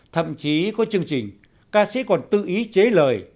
thậm chí có chương trình ca sĩ còn tự ý chế lời